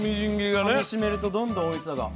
グッとかみしめるとどんどんおいしさが。